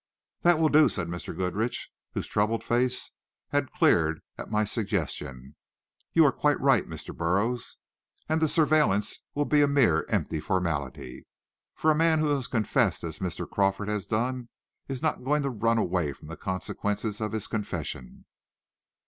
"That will do," said Mr. Goodrich, whose troubled face had cleared at my suggestion. "You are quite right, Mr. Burroughs. And the `surveillance' will be a mere empty formality. For a man who has confessed as Mr. Crawford has done, is not going to run away from the consequences of his confession."